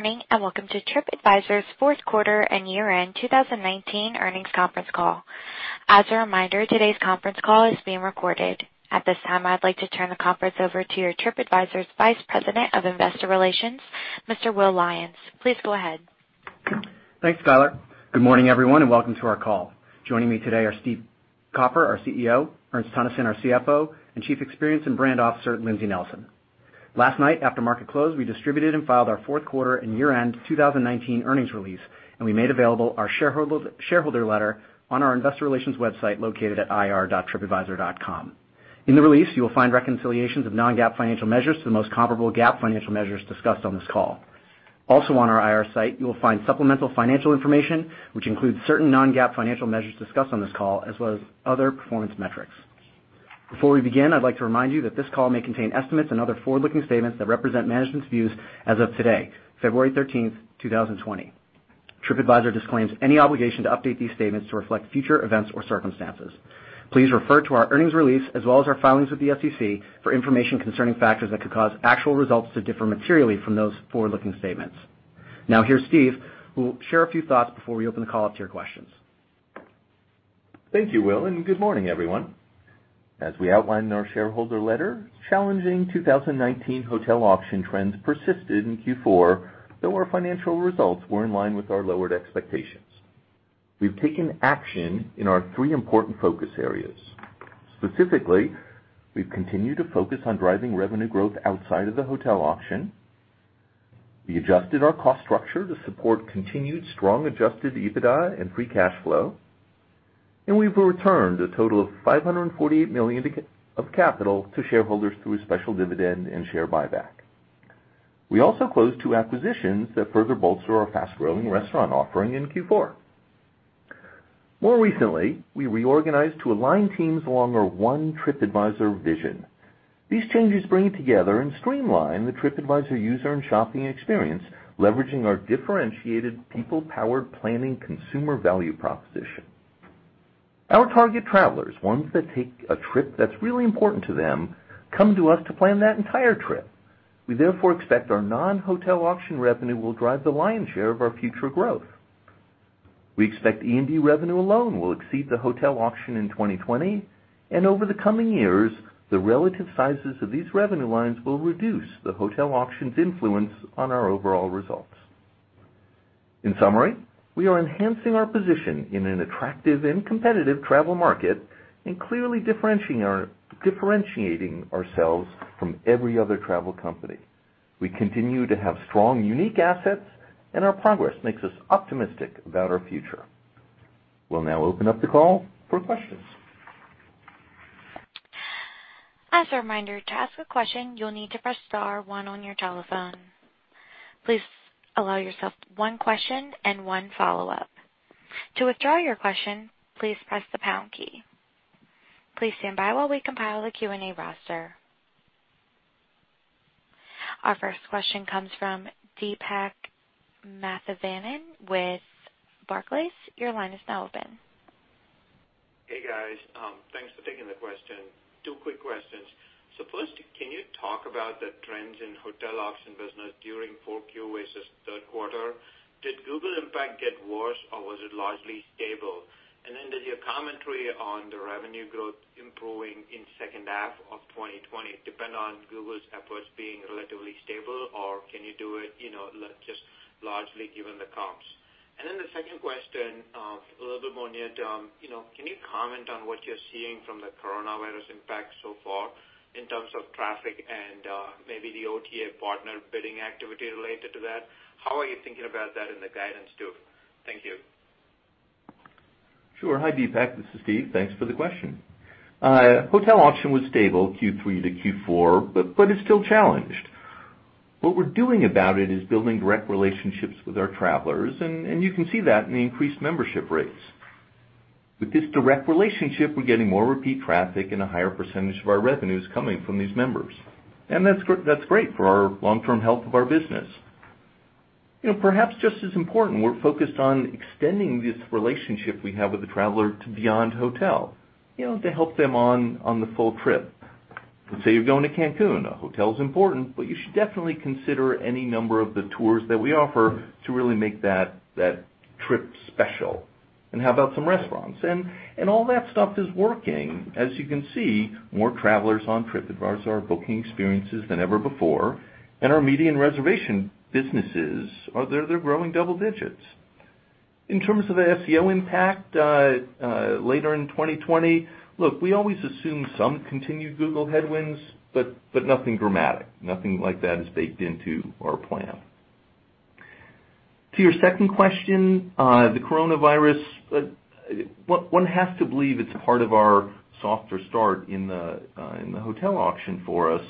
Goo d morning, and welcome to TripAdvisor's fourth quarter and year-end 2019 earnings conference call. As a reminder, today's conference call is being recorded. At this time, I'd like to turn the conference over to TripAdvisor's Vice President of Investor Relations, Mr. Will Lynch. Please go ahead. Thanks, Skyler. Good morning, everyone, and welcome to our call. Joining me today are Steve Kaufer, our CEO, Ernst Teunissen, our CFO, and Chief Experience and Brand Officer, Lindsay Nelson. Last night, after market close, we distributed and filed our fourth quarter and year-end 2019 earnings release, and we made available our shareholder letter on our investor relations website located at ir.tripadvisor.com. In the release, you will find reconciliations of non-GAAP financial measures to the most comparable GAAP financial measures discussed on this call. Also on our IR site, you will find supplemental financial information, which includes certain non-GAAP financial measures discussed on this call, as well as other performance metrics. Before we begin, I'd like to remind you that this call may contain estimates and other forward-looking statements that represent management's views as of today, February 13, 2020. TripAdvisor disclaims any obligation to update these statements to reflect future events or circumstances. Please refer to our earnings release as well as our filings with the SEC for information concerning factors that could cause actual results to differ materially from those forward-looking statements. Now, here's Steve, who will share a few thoughts before we open the call up to your questions. Thank you, Will. Good morning, everyone. As we outlined in our shareholder letter, challenging 2019 hotel auction trends persisted in Q4, though our financial results were in line with our lowered expectations. We've taken action in our three important focus areas. Specifically, we've continued to focus on driving revenue growth outside of the hotel auction. We adjusted our cost structure to support continued strong adjusted EBITDA and free cash flow. We've returned a total of $548 million of capital to shareholders through a special dividend and share buyback. We also closed two acquisitions that further bolster our fast-growing restaurant offering in Q4. More recently, we reorganized to align teams along our One TripAdvisor vision. These changes bring together and streamline the TripAdvisor user and shopping experience, leveraging our differentiated people-powered planning consumer value proposition. Our target travelers, ones that take a trip that's really important to them, come to us to plan that entire trip. We therefore expect our non-hotel auction revenue will drive the lion's share of our future growth. We expect E&D revenue alone will exceed the hotel auction in 2020, and over the coming years, the relative sizes of these revenue lines will reduce the hotel auction's influence on our overall results. In summary, we are enhancing our position in an attractive and competitive travel market and clearly differentiating ourselves from every other travel company. We continue to have strong, unique assets, and our progress makes us optimistic about our future. We'll now open up the call for questions. As a reminder, to ask a question, you'll need to press star one on your telephone. Please allow yourself one question and one follow-up. To withdraw your question, please press the pound key. Please stand by while we compile the Q&A roster. Our first question comes from Deepak Mathivanan with Barclays. Your line is now open. Hey, guys. Thanks for taking the question. Two quick questions. First, can you talk about the trends in hotel auction business during 4Q versus third quarter? Did Google impact get worse, or was it largely stable? Does your commentary on the revenue growth improving in second half of 2020 depend on Google's efforts being relatively stable, or can you do it just largely given the comps? The second question, a little bit more near-term. Can you comment on what you're seeing from the coronavirus impact so far in terms of traffic and maybe the OTA partner bidding activity related to that? How are you thinking about that in the guidance, too? Thank you. Sure. Hi, Deepak, this is Steve. Thanks for the question. Hotel auction was stable Q3 to Q4, is still challenged. What we're doing about it is building direct relationships with our travelers, you can see that in the increased membership rates. With this direct relationship, we're getting more repeat traffic, a higher percentage of our revenue is coming from these members. That's great for our long-term health of our business. Perhaps just as important, we're focused on extending this relationship we have with the traveler to beyond hotel, to help them on the full trip. Let's say you're going to Cancun. A hotel is important, you should definitely consider any number of the tours that we offer to really make that trip special. How about some restaurants? All that stuff is working. As you can see, more travelers on TripAdvisor are booking experiences than ever before, and our media and reservation businesses are growing double digits. In terms of the SEO impact later in 2020, look, we always assume some continued Google headwinds, but nothing dramatic. Nothing like that is baked into our plan. To your second question, the coronavirus, one has to believe it's a part of our softer start in the hotel auction for us.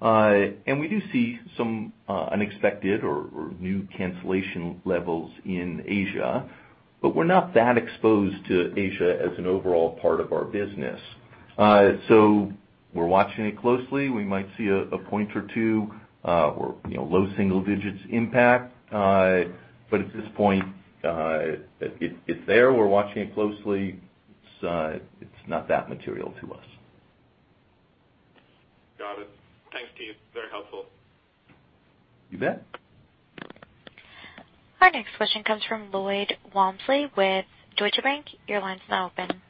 We do see some unexpected or new cancellation levels in Asia, but we're not that exposed to Asia as an overall part of our business. We're watching it closely. We might see a point or two or low single digits impact. At this point, it's there, we're watching it closely. It's not that material to us. Got it. Thanks, Steve. Very helpful. You bet. Our next question comes from Lloyd Walmsley with Deutsche Bank. Your line's now open.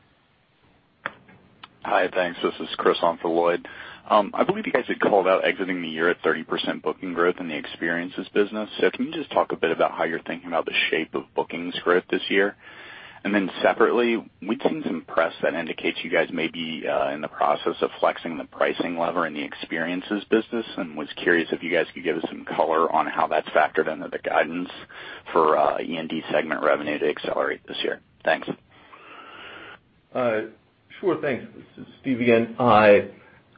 Hi, thanks. This is Chris on for Lloyd. I believe you guys had called out exiting the year at 30% booking growth in the experiences business. Can you just talk a bit about how you're thinking about the shape of bookings growth this year? Separately, we've seen some press that indicates you guys may be in the process of flexing the pricing lever in the experiences business and was curious if you guys could give us some color on how that's factored into the guidance for E&D segment revenue to accelerate this year. Thanks. Sure. Thanks. This is Steve again.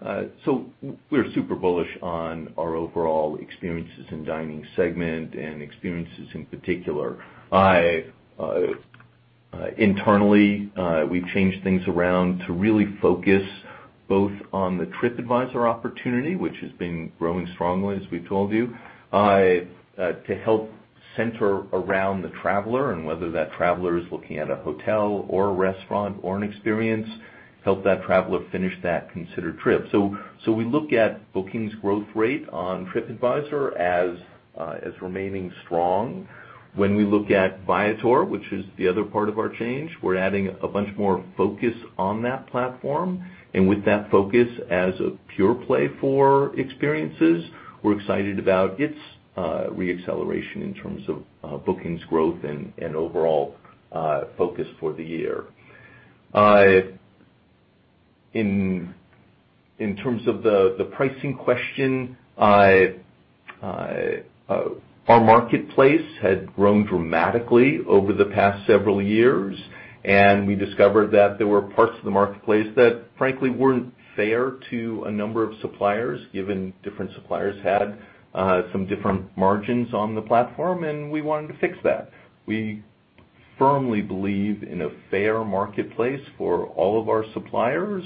We're super bullish on our overall experiences in dining segment and experiences in particular. Internally, we've changed things around to really focus both on the TripAdvisor opportunity, which has been growing strongly, as we told you, to help center around the traveler and whether that traveler is looking at a hotel or a restaurant or an experience, help that traveler finish that considered trip. We look at bookings growth rate on TripAdvisor as remaining strong. When we look at Viator, which is the other part of our change, we're adding a bunch more focus on that platform. With that focus as a pure play for experiences, we're excited about its re-acceleration in terms of bookings growth and overall focus for the year. In terms of the pricing question, our marketplace had grown dramatically over the past several years. We discovered that there were parts of the marketplace that frankly weren't fair to a number of suppliers, given different suppliers had some different margins on the platform, and we wanted to fix that. We firmly believe in a fair marketplace for all of our suppliers.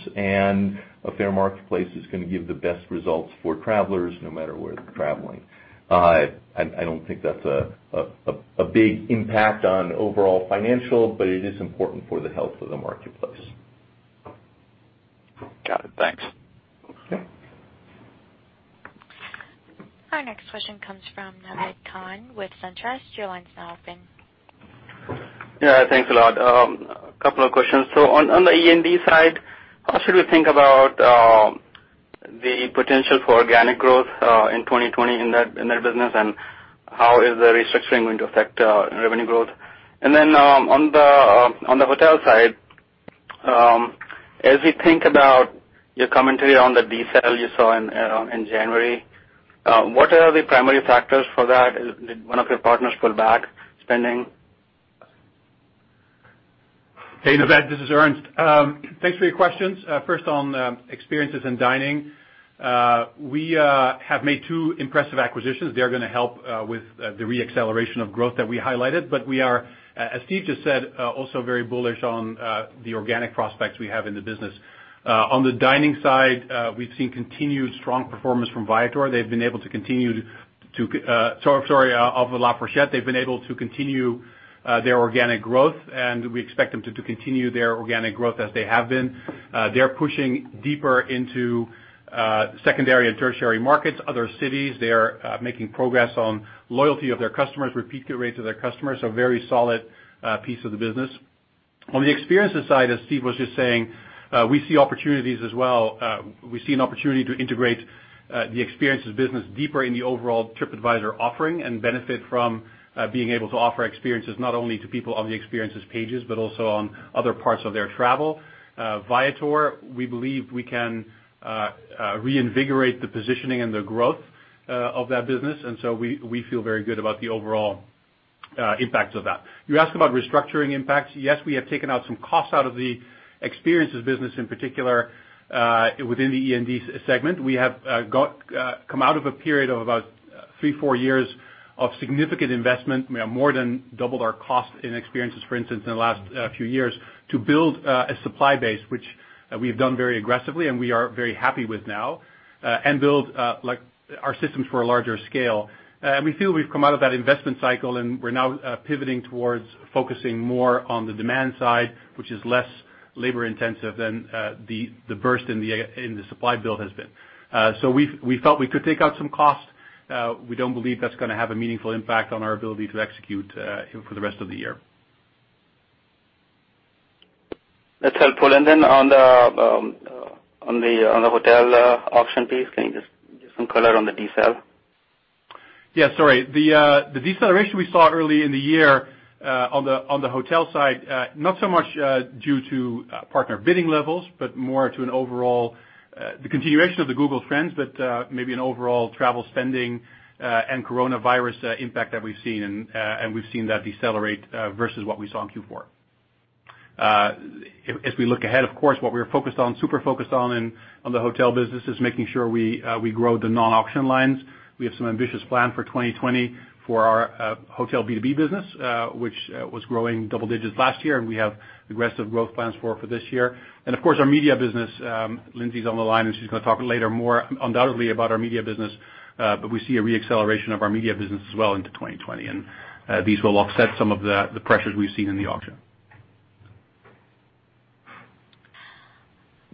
A fair marketplace is going to give the best results for travelers no matter where they're traveling. I don't think that's a big impact on overall financials, but it is important for the health of the marketplace. Got it. Thanks. Okay. Our next question comes from Naved Khan with SunTrust. Your line's now open. Yeah, thanks a lot. A couple of questions. On the E&D side, how should we think about the potential for organic growth in 2020 in that business, and how is the restructuring going to affect revenue growth? On the hotel side, as we think about your commentary on the decel you saw in January, what are the primary factors for that? Did one of your partners pull back spending? Hey, Naved, this is Ernst. Thanks for your questions. First on experiences and dining, we have made two impressive acquisitions. They're going to help with the re-acceleration of growth that we highlighted. We are, as Steve just said, also very bullish on the organic prospects we have in the business. On the dining side, we've seen continued strong performance from Viator. They've been able to continue, I'm sorry, of TheFork. They've been able to continue their organic growth, and we expect them to continue their organic growth as they have been. They're pushing deeper into secondary and tertiary markets, other cities. They are making progress on loyalty of their customers, repeat rates of their customers, a very solid piece of the business. On the experiences side, as Steve was just saying, we see opportunities as well. We see an opportunity to integrate the experiences business deeper in the overall TripAdvisor offering and benefit from being able to offer experiences not only to people on the experiences pages, but also on other parts of their travel. Viator, we believe we can reinvigorate the positioning and the growth of that business, and so we feel very good about the overall impact of that. You asked about restructuring impacts. Yes, we have taken out some costs out of the experiences business in particular within the E&D segment. We have come out of a period of about three-four years of significant investment. We have more than doubled our cost in experiences, for instance, in the last few years to build a supply base, which we've done very aggressively and we are very happy with now, and build our systems for a larger scale. We feel we've come out of that investment cycle, and we're now pivoting towards focusing more on the demand side, which is less labor-intensive than the burst in the supply build has been. We felt we could take out some cost. We don't believe that's going to have a meaningful impact on our ability to execute for the rest of the year. That's helpful. On the hotel option piece, can you just give some color on the decel? Yeah, sorry. The deceleration we saw early in the year on the hotel side, not so much due to partner bidding levels, but more to an overall, the continuation of the Google trends, but maybe an overall travel spending and coronavirus impact that we've seen, and we've seen that decelerate versus what we saw in Q4. As we look ahead, of course, what we're focused on, super focused on in the hotel business, is making sure we grow the non-auction lines. We have some ambitious plan for 2020 for our hotel B2B business, which was growing double digits last year, and we have aggressive growth plans for this year. Of course, our media business, Lindsay's on the line, and she's going to talk later more undoubtedly about our media business. We see a re-acceleration of our media business as well into 2020. These will offset some of the pressures we've seen in the auction.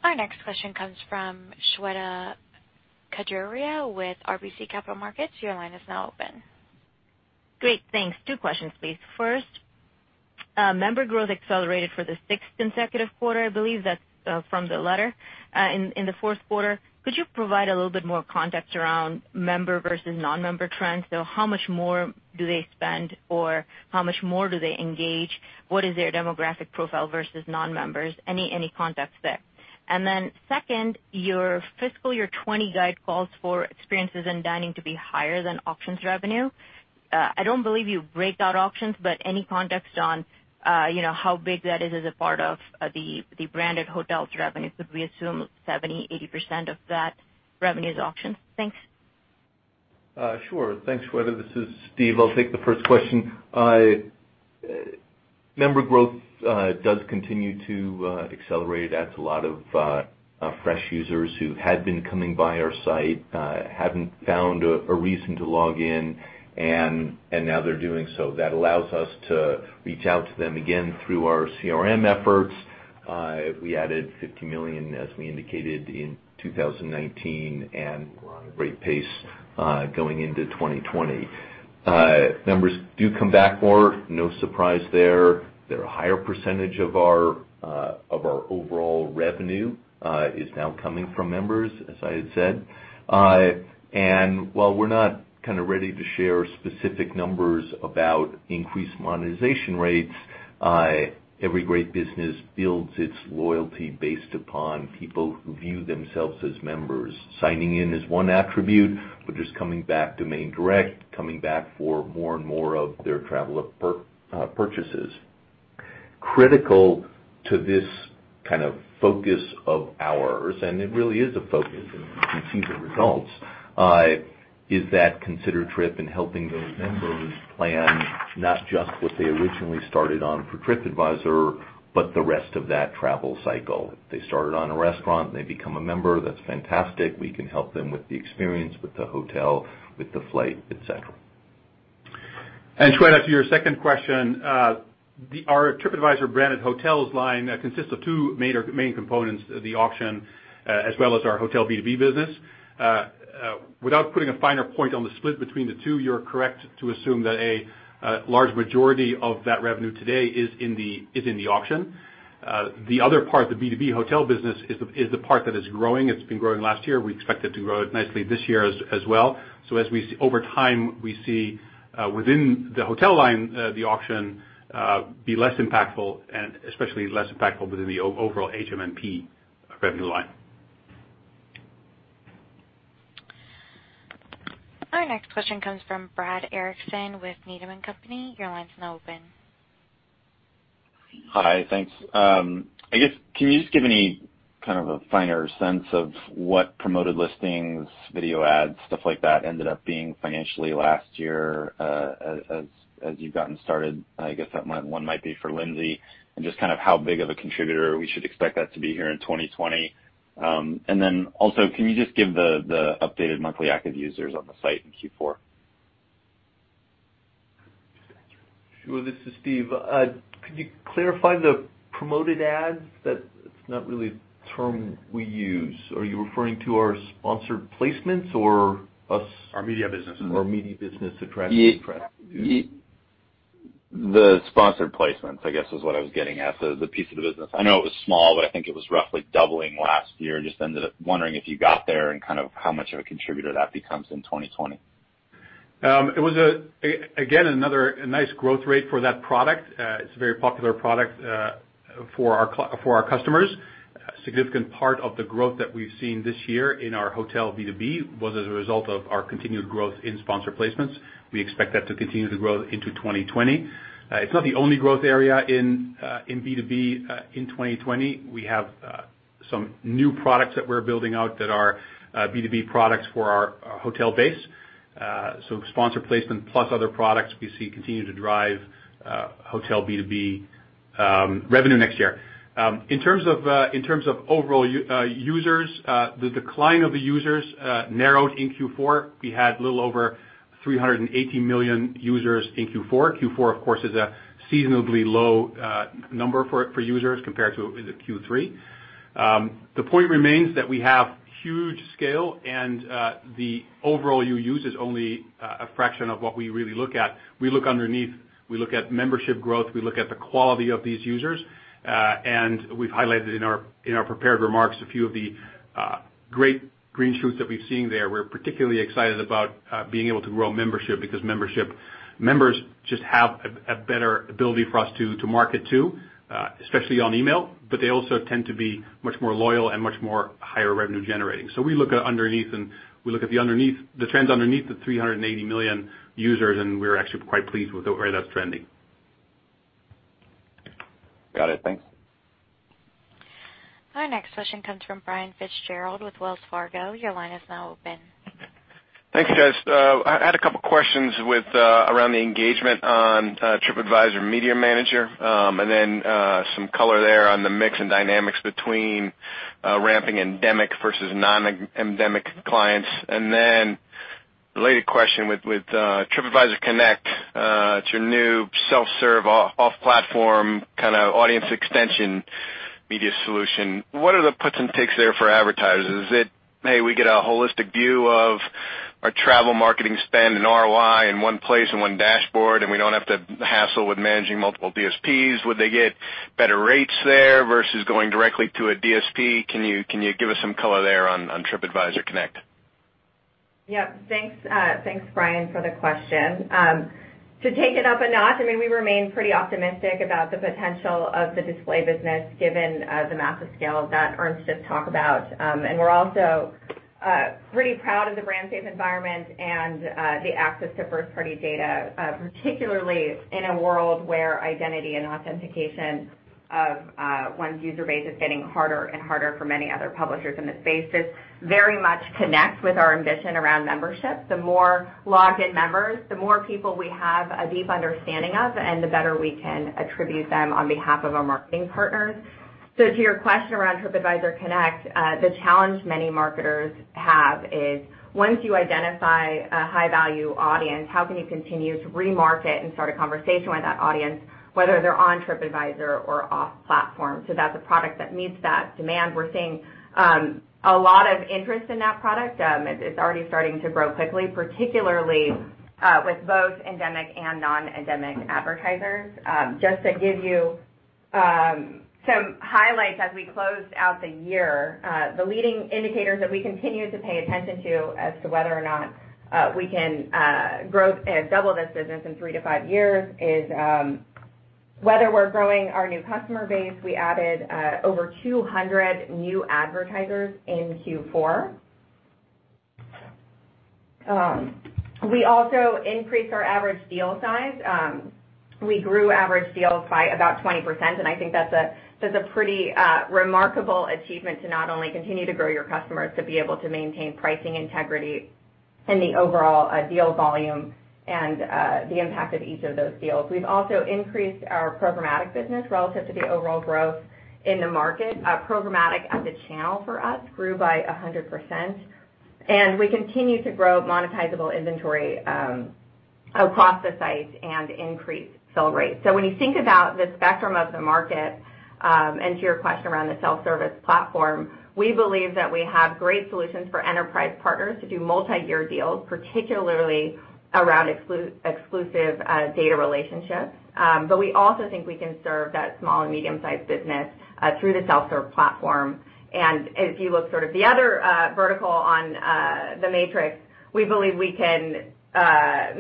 Our next question comes from Shweta Khajuria with RBC Capital Markets. Your line is now open. Great, thanks. Two questions, please. First, member growth accelerated for the sixth consecutive quarter, I believe that's from the letter, in the fourth quarter. Could you provide a little bit more context around member versus non-member trends, though? How much more do they spend or how much more do they engage? What is their demographic profile versus non-members? Any context there. Then second, your fiscal year 2020 guide calls for experiences in dining to be higher than auctions revenue. I don't believe you break out auctions, but any context on how big that is as a part of the branded hotels revenue? Could we assume 70%, 80% of that revenue is auctions? Thanks. Sure. Thanks, Shweta. This is Steve. I'll take the first question. Member growth does continue to accelerate. That's a lot of fresh users who had been coming by our site, haven't found a reason to log in, and now they're doing so. That allows us to reach out to them again through our CRM efforts. We added 50 million, as we indicated, in 2019, and we're on a great pace going into 2020. Members do come back more, no surprise there. They're a higher percentage of our overall revenue, is now coming from members, as I had said. While we're not ready to share specific numbers about increased monetization rates, every great business builds its loyalty based upon people who view themselves as members. Signing in is one attribute, but just coming back to main direct, coming back for more and more of their travel purchases. Critical to this kind of focus of ours, and it really is a focus, and you can see the results, is that considered trip in helping those members plan not just what they originally started on for TripAdvisor, but the rest of that travel cycle. If they started on a restaurant and they become a member, that's fantastic. We can help them with the experience, with the hotel, with the flight, et cetera. Shweta, to your second question, our TripAdvisor branded hotels line consists of two main components, the auction, as well as our hotel B2B business. Without putting a finer point on the split between the two, you're correct to assume that a large majority of that revenue today is in the auction. The other part, the B2B hotel business, is the part that is growing. It's been growing last year. We expect it to grow nicely this year as well. Over time, we see within the hotel line, the auction be less impactful and especially less impactful within the overall HMMP revenue line. Our next question comes from Brad Erickson with Needham & Company. Your line's now open. Hi, thanks. Can you just give any kind of a finer sense of what promoted listings, video ads, stuff like that, ended up being financially last year as you've gotten started? I guess that one might be for Lindsay. Just how big of a contributor we should expect that to be here in 2020. Also, can you just give the updated monthly active users on the site in Q4? Sure. This is Steve. Could you clarify the promoted ads? That's not really a term we use. Are you referring to our sponsored placements? Our media business. our media business The sponsored placements, I guess, is what I was getting at, the piece of the business. I know it was small, but I think it was roughly doubling last year. Just ended up wondering if you got there and how much of a contributor that becomes in 2020. It was, again, another nice growth rate for that product. It's a very popular product for our customers. A significant part of the growth that we've seen this year in our hotel B2B was as a result of our continued growth in sponsor placements. We expect that to continue to grow into 2020. It's not the only growth area in B2B in 2020. We have some new products that we're building out that are B2B products for our hotel base. Sponsor placement plus other products we see continue to drive hotel B2B revenue next year. In terms of overall users, the decline of the users narrowed in Q4. We had a little over 380 million users in Q4. Q4, of course, is a seasonably low number for users compared to the Q3. The point remains that we have huge scale and the overall users is only a fraction of what we really look at. We look underneath, we look at membership growth, we look at the quality of these users, and we've highlighted in our prepared remarks a few of the great green shoots that we've seen there. We're particularly excited about being able to grow membership because members just have a better ability for us to market to, especially on email, but they also tend to be much more loyal and much more higher revenue generating. We look underneath and we look at the trends underneath the 380 million users, and we're actually quite pleased with the way that's trending. Got it. Thanks. Our next question comes from Brian Fitzgerald with Wells Fargo. Your line is now open. Thanks, guys. I had a couple questions around the engagement on TripAdvisor Media Manager, and then some color there on the mix and dynamics between ramping endemic versus non-endemic clients. Related question with TripAdvisor Connect, it's your new self-serve off-platform kind of audience extension media solution. What are the puts and takes there for advertisers? Is it, hey, we get a holistic view of our travel marketing spend and ROI in one place, in one dashboard, and we don't have to hassle with managing multiple DSPs? Would they get better rates there versus going directly to a DSP? Can you give us some color there on TripAdvisor Connect? Yep. Thanks, Brian, for the question. To take it up a notch, we remain pretty optimistic about the potential of the display business given the massive scale that Ernst just talked about. We're also pretty proud of the brand safe environment and the access to first-party data, particularly in a world where identity and authentication of one's user base is getting harder and harder for many other publishers in the space. This very much connects with our ambition around membership. The more logged in members, the more people we have a deep understanding of, and the better we can attribute them on behalf of our marketing partners. To your question around TripAdvisor Connect, the challenge many marketers have is once you identify a high-value audience, how can you continue to remarket and start a conversation with that audience, whether they're on TripAdvisor or off-platform? That's a product that meets that demand. We're seeing a lot of interest in that product. It's already starting to grow quickly, particularly with both endemic and non-endemic advertisers. Just to give you some highlights as we closed out the year, the leading indicators that we continue to pay attention to as to whether or not we can double this business in three to five years is whether we're growing our new customer base. We added over 200 new advertisers in Q4. We also increased our average deal size. We grew average deals by about 20%, and I think that's a pretty remarkable achievement to not only continue to grow your customers, to be able to maintain pricing integrity in the overall deal volume and the impact of each of those deals. We've also increased our programmatic business relative to the overall growth in the market. Programmatic as a channel for us grew by 100%, and we continue to grow monetizable inventory across the sites and increase sell rates. When you think about the spectrum of the market, and to your question around the self-service platform, we believe that we have great solutions for enterprise partners to do multi-year deals, particularly around exclusive data relationships. We also think we can serve that small and medium-sized business through the self-serve platform. If you look sort of the other vertical on the matrix, we believe we can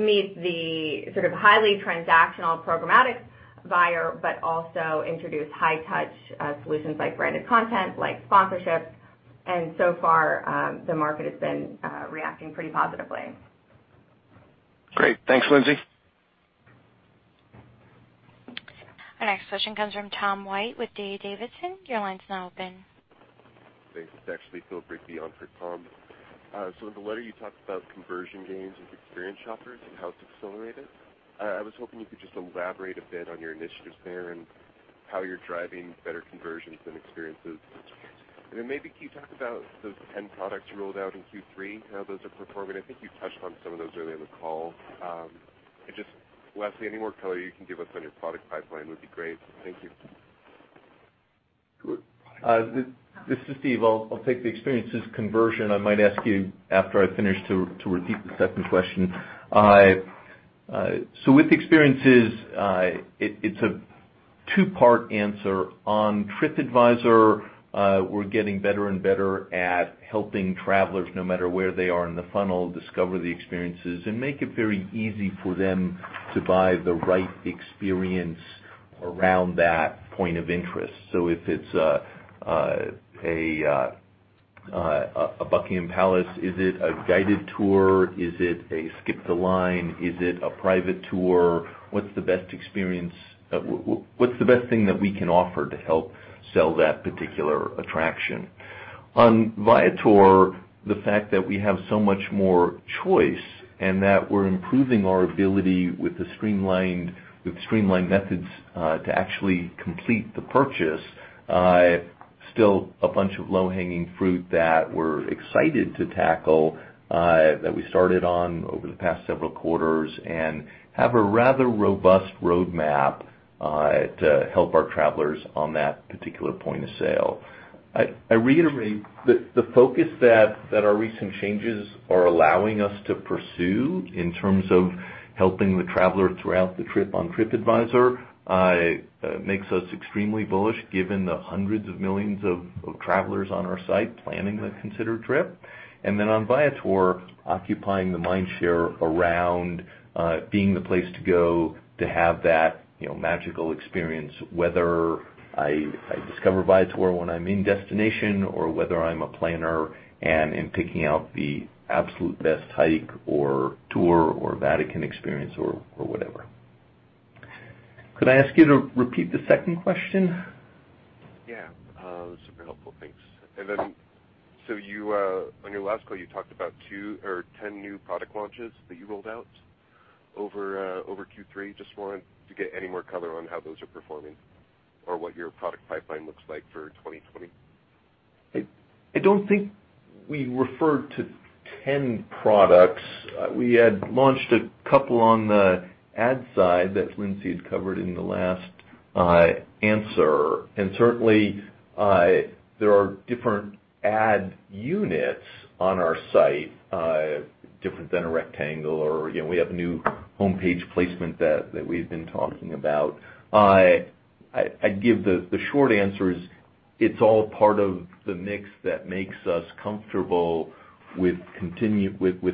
meet the sort of highly transactional programmatic buyer, but also introduce high-touch solutions like branded content, like sponsorships, and so far the market has been reacting pretty positively. Great. Thanks, Lindsay. Our next question comes from Tom White with D. A. Davidson. Your line's now open. Thanks. It's actually Phil Rigby on for Tom. In the letter you talked about conversion gains with experienced shoppers and how it's accelerated. I was hoping you could just elaborate a bit on your initiatives there and how you're driving better conversions and experiences. Maybe can you talk about those 10 products you rolled out in Q3, how those are performing? I think you touched on some of those earlier in the call. Just lastly, any more color you can give us on your product pipeline would be great. Thank you. This is Steve. I'll take the experiences conversion. I might ask you after I finish to repeat the second question. With experiences, it's a two-part answer. On TripAdvisor, we're getting better and better at helping travelers, no matter where they are in the funnel, discover the experiences and make it very easy for them to buy the right experience around that point of interest. If it's a Buckingham Palace, is it a guided tour? Is it a skip the line? Is it a private tour? What's the best thing that we can offer to help sell that particular attraction? On Viator, the fact that we have so much more choice and that we're improving our ability with streamlined methods to actually complete the purchase, still a bunch of low-hanging fruit that we're excited to tackle that we started on over the past several quarters and have a rather robust roadmap to help our travelers on that particular point of sale. I reiterate the focus that our recent changes are allowing us to pursue in terms of helping the traveler throughout the trip on TripAdvisor makes us extremely bullish given the hundreds of millions of travelers on our site planning to consider a trip. On Viator, occupying the mind share around being the place to go to have that magical experience, whether I discover Viator when I'm in destination or whether I'm a planner and in picking out the absolute best hike or tour or Vatican experience or whatever. Could I ask you to repeat the second question? That's super helpful. Thanks. On your last call, you talked about 10 new product launches that you rolled out over Q3. Just wanted to get any more color on how those are performing or what your product pipeline looks like for 2020. I don't think we referred to 10 products. We had launched a couple on the ad side that Lindsay had covered in the last answer, and certainly there are different ad units on our site, different than a rectangle or we have a new homepage placement that we've been talking about. I give the short answer is it's all part of the mix that makes us comfortable with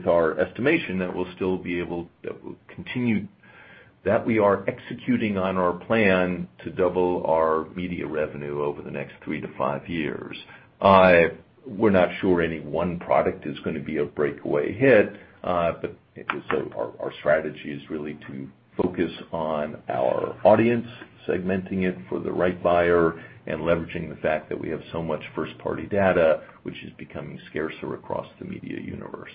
our estimation that we'll still be able to continue, that we are executing on our plan to double our media revenue over the next three to five years. We're not sure any one product is going to be a breakaway hit, but our strategy is really to focus on our audience, segmenting it for the right buyer and leveraging the fact that we have so much first-party data, which is becoming scarcer across the media universe.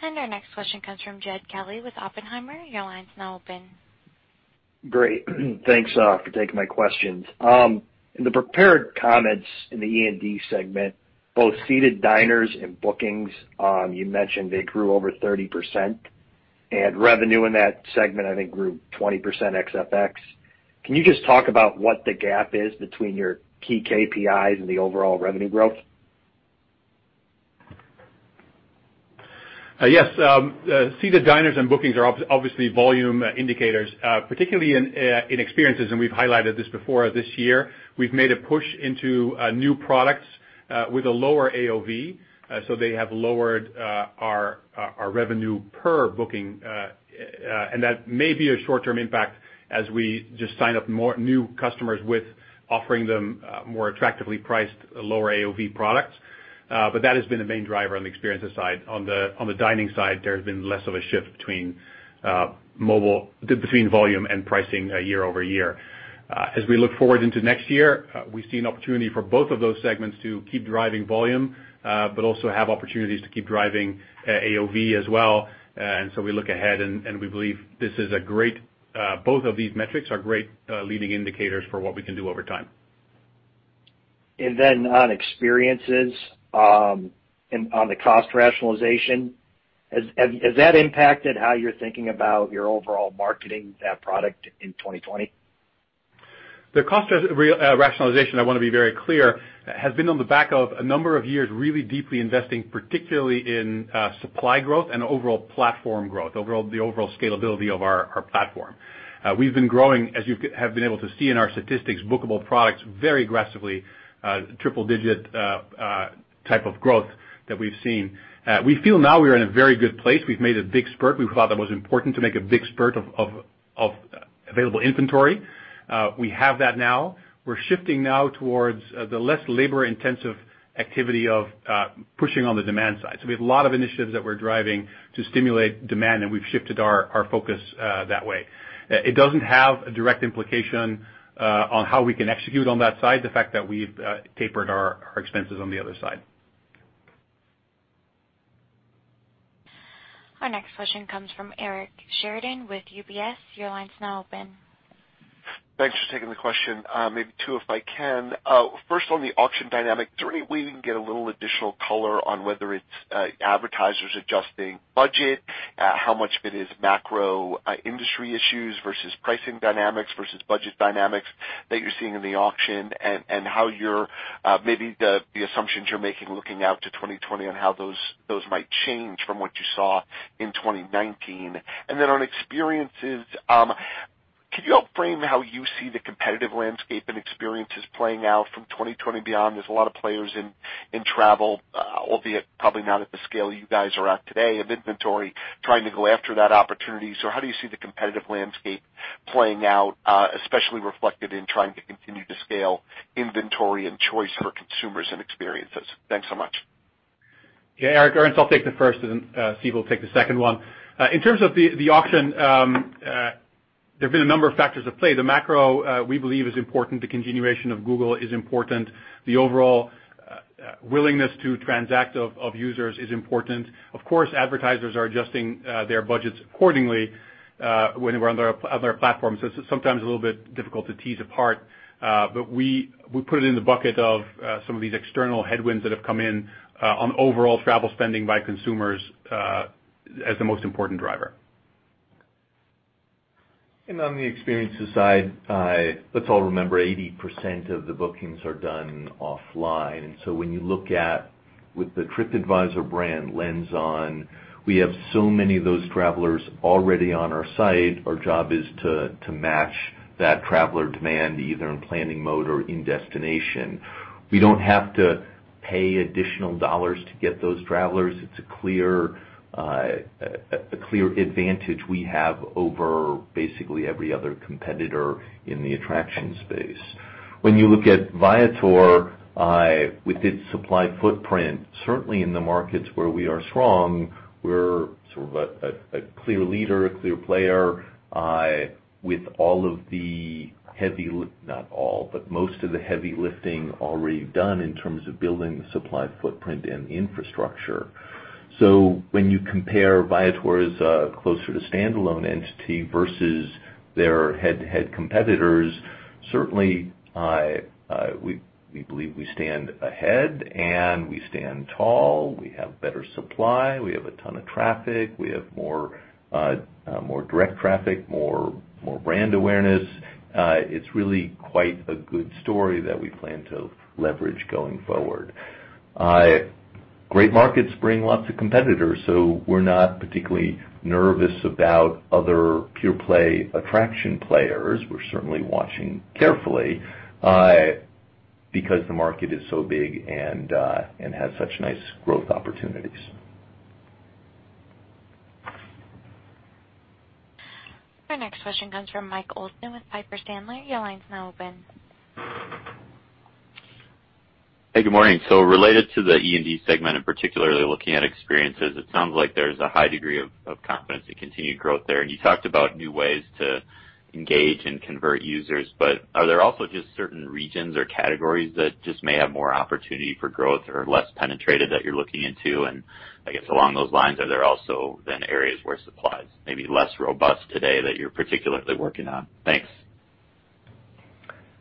Our next question comes from Jed Kelly with Oppenheimer. Your line's now open. Great. Thanks for taking my questions. In the prepared comments in the E&D segment, both seated diners and bookings, you mentioned they grew over 30%, and revenue in that segment, I think, grew 20% ex FX. Can you just talk about what the gap is between your key KPIs and the overall revenue growth? Yes. Seated diners and bookings are obviously volume indicators, particularly in experiences, and we've highlighted this before this year. We've made a push into new products with a lower AOV, so they have lowered our revenue per booking. That may be a short-term impact as we just sign up new customers with offering them more attractively priced lower AOV products. That has been the main driver on the experiences side. On the dining side, there has been less of a shift between volume and pricing year-over-year. As we look forward into next year, we see an opportunity for both of those segments to keep driving volume, but also have opportunities to keep driving AOV as well. We look ahead, and we believe both of these metrics are great leading indicators for what we can do over time. On experiences, on the cost rationalization, has that impacted how you're thinking about your overall marketing that product in 2020? The cost rationalization, I want to be very clear, has been on the back of a number of years really deeply investing, particularly in supply growth and overall platform growth, the overall scalability of our platform. We've been growing, as you have been able to see in our statistics, bookable products very aggressively, triple digit type of growth that we've seen. We feel now we are in a very good place. We've made a big spurt. We thought that was important to make a big spurt of available inventory. We have that now. We're shifting now towards the less labor-intensive activity of pushing on the demand side. We have a lot of initiatives that we're driving to stimulate demand, and we've shifted our focus that way. It doesn't have a direct implication on how we can execute on that side, the fact that we've tapered our expenses on the other side. Our next question comes from Eric Sheridan with UBS. Your line's now open. Thanks for taking the question. Maybe two, if I can. First, on the auction dynamic, is there any way we can get a little additional color on whether it's advertisers adjusting budget, how much of it is macro industry issues versus pricing dynamics versus budget dynamics that you're seeing in the auction, and how maybe the assumptions you're making looking out to 2020 on how those might change from what you saw in 2019? Then on experiences, can you help frame how you see the competitive landscape and experiences playing out from 2020 beyond? There's a lot of players in travel, albeit probably not at the scale you guys are at today of inventory trying to go after that opportunity. How do you see the competitive landscape playing out, especially reflected in trying to continue to scale inventory and choice for consumers and experiences? Thanks so much. Yeah, Eric. Ernst, I'll take the first and Steve will take the second one. In terms of the auction, there have been a number of factors at play. The macro, we believe, is important. The continuation of Google is important. The overall willingness to transact of users is important. Of course, advertisers are adjusting their budgets accordingly. It's sometimes a little bit difficult to tease apart. We put it in the bucket of some of these external headwinds that have come in on overall travel spending by consumers as the most important driver. On the experiences side, let's all remember 80% of the bookings are done offline. When you look at with the TripAdvisor brand lens on, we have so many of those travelers already on our site. Our job is to match that traveler demand either in planning mode or in destination. We don't have to pay additional dollars to get those travelers. It's a clear advantage we have over basically every other competitor in the attraction space. When you look at Viator with its supply footprint, certainly in the markets where we are strong, we're sort of a clear leader, a clear player with not all, but most of the heavy lifting already done in terms of building the supply footprint and the infrastructure. When you compare Viator as a closer to standalone entity versus their head-to-head competitors, certainly, we believe we stand ahead and we stand tall. We have better supply. We have a ton of traffic. We have more direct traffic, more brand awareness. It's really quite a good story that we plan to leverage going forward. Great markets bring lots of competitors. We're not particularly nervous about other pure play attraction players. We're certainly watching carefully because the market is so big and has such nice growth opportunities. Our next question comes from Michael Olson with Piper Sandler. Your line's now open. Hey, good morning. Related to the E&D segment, and particularly looking at experiences, it sounds like there's a high degree of confidence in continued growth there. You talked about new ways to engage and convert users, but are there also just certain regions or categories that just may have more opportunity for growth or are less penetrated that you're looking into? I guess along those lines, are there also then areas where supply is maybe less robust today that you're particularly working on? Thanks.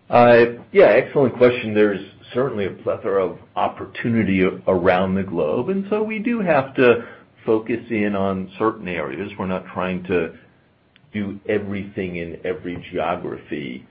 Yeah, excellent question. There's certainly a plethora of opportunity around the globe, and so we do have to focus in on certain areas. We're not trying to do everything in every geography.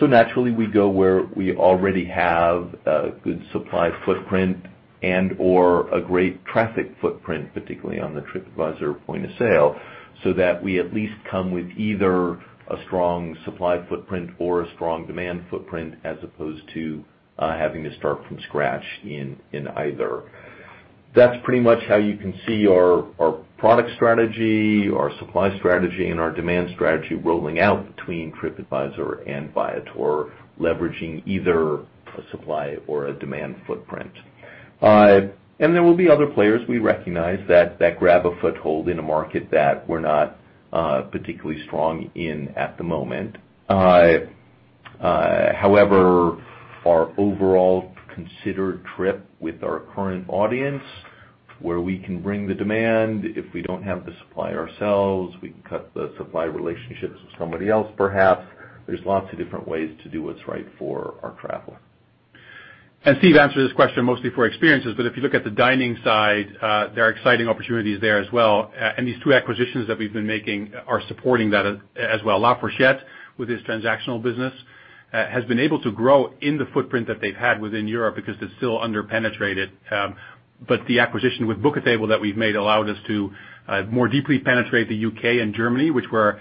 Naturally, we go where we already have a good supply footprint and/or a great traffic footprint, particularly on the TripAdvisor point of sale, so that we at least come with either a strong supply footprint or a strong demand footprint, as opposed to having to start from scratch in either. That's pretty much how you can see our product strategy, our supply strategy, and our demand strategy rolling out between TripAdvisor and Viator, leveraging either a supply or a demand footprint. There will be other players, we recognize, that grab a foothold in a market that we're not particularly strong in at the moment. Our overall considered trip with our current audience, where we can bring the demand, if we don't have the supply ourselves, we can cut the supply relationships with somebody else, perhaps. There's lots of different ways to do what's right for our traveler. Steve answered this question mostly for experiences, but if you look at the dining side, there are exciting opportunities there as well. These two acquisitions that we've been making are supporting that as well. TheFork, with its transactional business, has been able to grow in the footprint that they've had within Europe because it's still under-penetrated. The acquisition with Bookatable that we've made allowed us to more deeply penetrate the U.K. and Germany, which were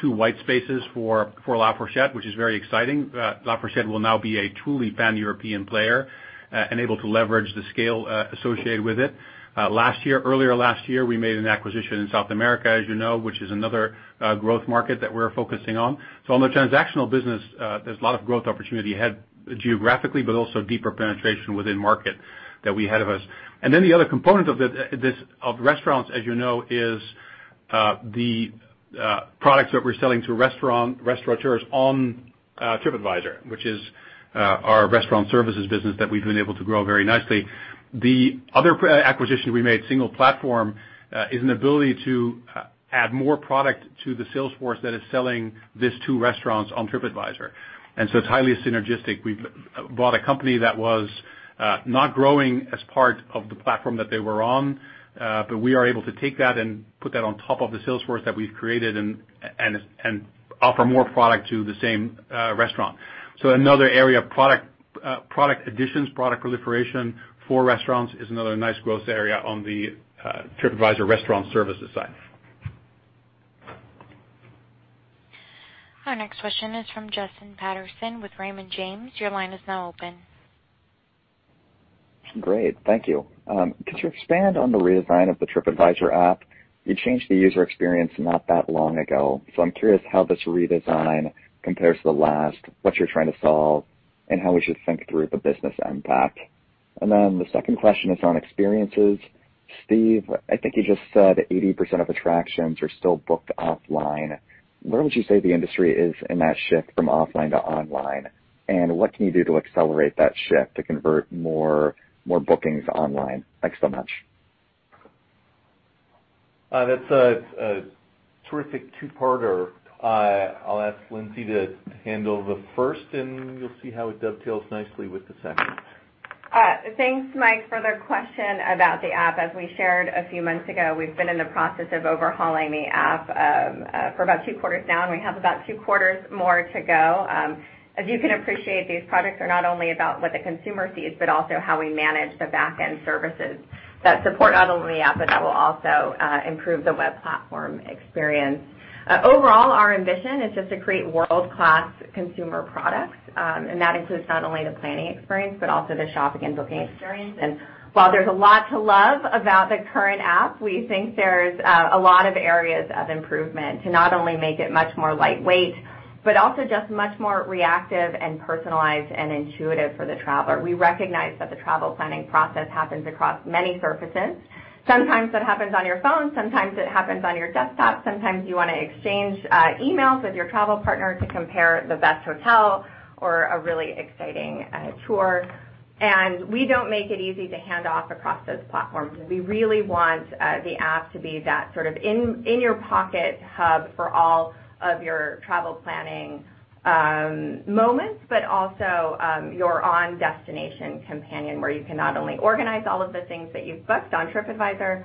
two white spaces for TheFork, which is very exciting. TheFork will now be a truly pan-European player and able to leverage the scale associated with it. Earlier last year, we made an acquisition in South America, as you know, which is another growth market that we're focusing on. On the transactional business, there's a lot of growth opportunity ahead geographically, but also deeper penetration within market that we had ahead of us. The other component of restaurants, as you know, is the products that we're selling to restaurateurs on TripAdvisor, which is our restaurant services business that we've been able to grow very nicely. The other acquisition we made, SinglePlatform, is an ability to add more product to the sales force that is selling this to restaurants on TripAdvisor. It's highly synergistic. We've bought a company that was not growing as part of the platform that they were on, but we are able to take that and put that on top of the sales force that we've created and offer more product to the same restaurant. Another area of product additions, product proliferation for restaurants is another nice growth area on the TripAdvisor restaurant services side. Our next question is from Justin Patterson with Raymond James. Your line is now open. Great. Thank you. Could you expand on the redesign of the TripAdvisor app? You changed the user experience not that long ago, so I'm curious how this redesign compares to the last, what you're trying to solve, and how we should think through the business impact. The second question is on experiences. Steve, I think you just said 80% of attractions are still booked offline. Where would you say the industry is in that shift from offline to online, and what can you do to accelerate that shift to convert more bookings online? Thanks so much. That's a terrific two-parter. I'll ask Lindsay to handle the first, you'll see how it dovetails nicely with the second. Thanks, Mike, for the question about the app. As we shared a few months ago, we've been in the process of overhauling the app for about two quarters now, and we have about two quarters more to go. As you can appreciate, these products are not only about what the consumer sees, but also how we manage the back-end services that support not only the app, but that will also improve the web platform experience. Overall, our ambition is just to create world-class consumer products, and that includes not only the planning experience, but also the shopping and booking experience. While there's a lot to love about the current app, we think there's a lot of areas of improvement to not only make it much more lightweight, but also just much more reactive and personalized and intuitive for the traveler. We recognize that the travel planning process happens across many surfaces. Sometimes it happens on your phone, sometimes it happens on your desktop. Sometimes you want to exchange emails with your travel partner to compare the best hotel or a really exciting tour. We don't make it easy to hand off across those platforms. We really want the app to be that in your pocket hub for all of your travel planning moments, but also your on-destination companion, where you can not only organize all of the things that you've booked on TripAdvisor,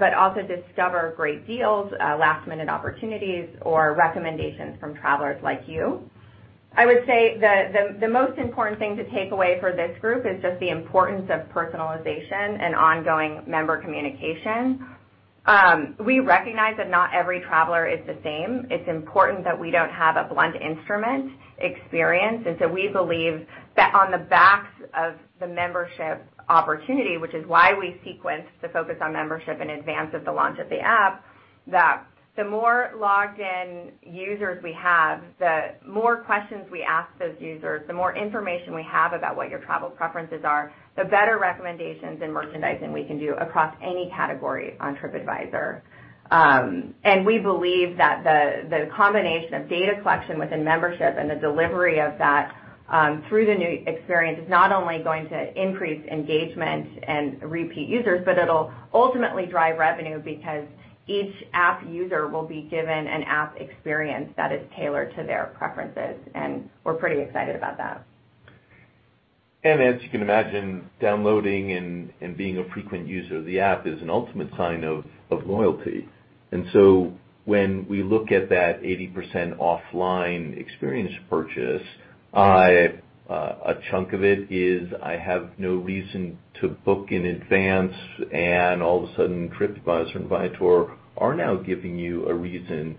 but also discover great deals, last minute opportunities, or recommendations from travelers like you. I would say the most important thing to take away for this group is just the importance of personalization and ongoing member communication. We recognize that not every traveler is the same. It's important that we don't have a blunt instrument experience. We believe that on the backs of the membership opportunity, which is why we sequenced the focus on membership in advance of the launch of the app, that the more logged in users we have, the more questions we ask those users, the more information we have about what your travel preferences are, the better recommendations and merchandising we can do across any category on TripAdvisor. We believe that the combination of data collection within membership and the delivery of that through the new experience is not only going to increase engagement and repeat users, but it'll ultimately drive revenue because each app user will be given an app experience that is tailored to their preferences, and we're pretty excited about that. As you can imagine, downloading and being a frequent user of the app is an ultimate sign of loyalty. When we look at that 80% offline experience purchase, a chunk of it is, "I have no reason to book in advance," and all of a sudden, TripAdvisor and Viator are now giving you a reason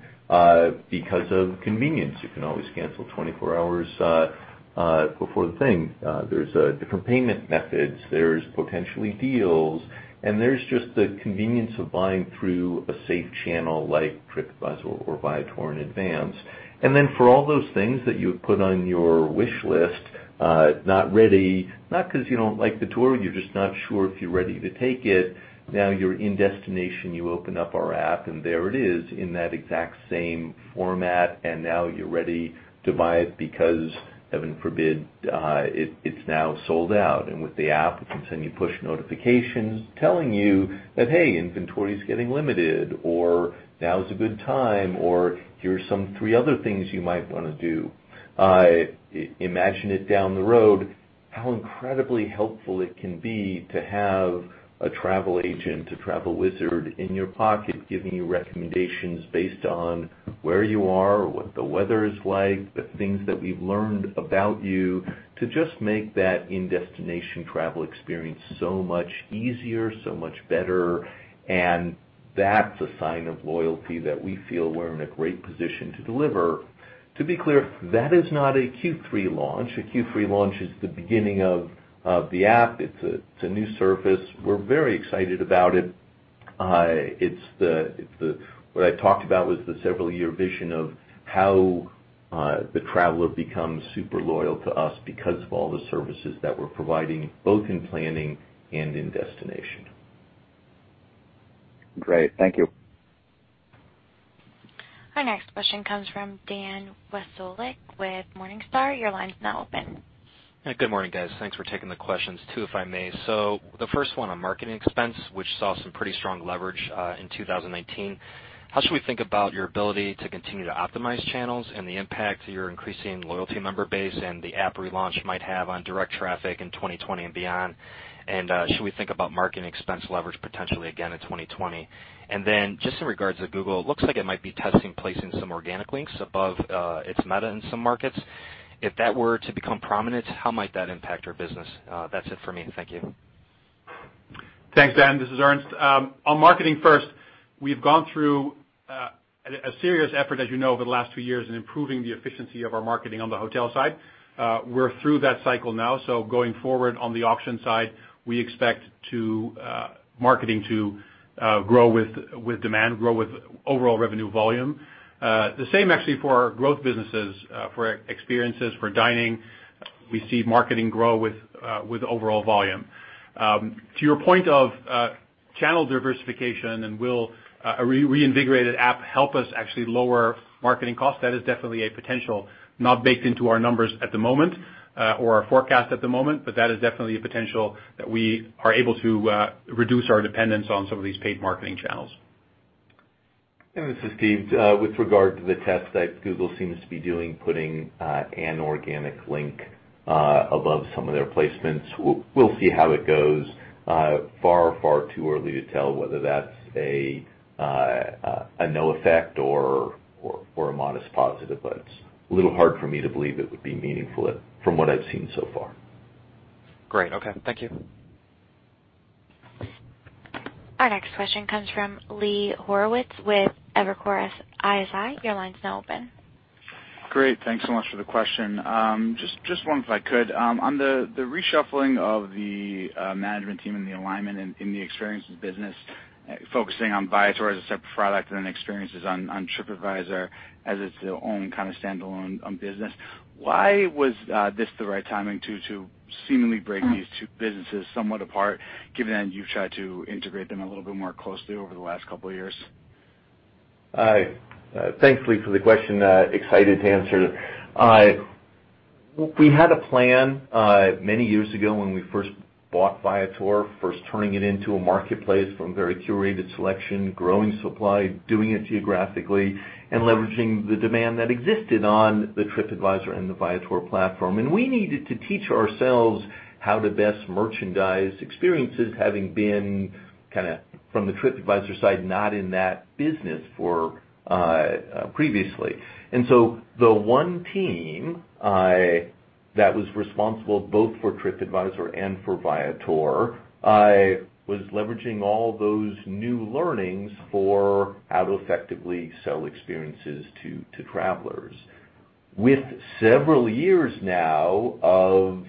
because of convenience. You can always cancel 24 hours before the thing. There's different payment methods, there's potentially deals, and there's just the convenience of buying through a safe channel like TripAdvisor or Viator in advance. Then for all those things that you've put on your wish list, not ready, not because you don't like the tour, you're just not sure if you're ready to take it. You're in destination, you open up our app, there it is in that exact same format, now you're ready to buy it because, heaven forbid, it's now sold out. With the app, it can send you push notifications telling you that, "Hey, inventory is getting limited," or, "Now's a good time," or, "Here's some three other things you might want to do." Imagine it down the road, how incredibly helpful it can be to have a travel agent, a travel wizard in your pocket giving you recommendations based on where you are or what the weather is like, the things that we've learned about you to just make that in-destination travel experience so much easier, so much better, that's a sign of loyalty that we feel we're in a great position to deliver. To be clear, that is not a Q3 launch. A Q3 launch is the beginning of the app. It's a new service. We're very excited about it. What I talked about was the several year vision of how the traveler becomes super loyal to us because of all the services that we're providing, both in planning and in destination. Great. Thank you. Our next question comes from Dan Wasiolek with Morningstar. Your line's now open. Good morning, guys. Thanks for taking the questions, two if I may. The first one on marketing expense, which saw some pretty strong leverage in 2019. How should we think about your ability to continue to optimize channels and the impact to your increasing loyalty member base and the app relaunch might have on direct traffic in 2020 and beyond? Should we think about marketing expense leverage potentially again in 2020? Just in regards to Google, it looks like it might be testing placing some organic links above its meta in some markets. If that were to become prominent, how might that impact your business? That's it for me. Thank you. Thanks, Dan. This is Ernst. On marketing first, we've gone through a serious effort, as you know, over the last few years in improving the efficiency of our marketing on the hotel side. We're through that cycle now, so going forward on the auction side, we expect marketing to grow with demand, grow with overall revenue volume. The same actually for our growth businesses, for experiences, for dining. We see marketing grow with overall volume. To your point of channel diversification and will a reinvigorated app help us actually lower marketing costs? That is definitely a potential, not baked into our numbers at the moment, or our forecast at the moment, but that is definitely a potential that we are able to reduce our dependence on some of these paid marketing channels. This is Steve. With regard to the test that Google seems to be doing, putting an organic link above some of their placements, we'll see how it goes. Far too early to tell whether that's a no effect or a modest positive, it's a little hard for me to believe it would be meaningful from what I've seen so far. Great. Okay. Thank you. Our next question comes from Lee Horowitz with Evercore ISI. Your line's now open. Great. Thanks so much for the question. Just one if I could. On the reshuffling of the management team and the alignment in the experiences business, focusing on Viator as a separate product and then experiences on TripAdvisor as its own standalone business, why was this the right timing to seemingly break these two businesses somewhat apart, given that you've tried to integrate them a little bit more closely over the last couple of years? Thanks, Lee, for the question, excited to answer. We had a plan many years ago when we first bought Viator, first turning it into a marketplace from very curated selection, growing supply, doing it geographically, leveraging the demand that existed on the TripAdvisor and the Viator platform. We needed to teach ourselves how to best merchandise experiences, having been from the TripAdvisor side, not in that business previously. The one team that was responsible both for TripAdvisor and for Viator was leveraging all those new learnings for how to effectively sell experiences to travelers. With several years now of